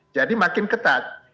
jadi makin ketat